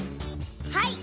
はい！